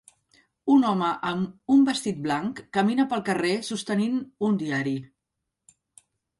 Un home amb un vestit blanc camina pel carrer sostenint un diari.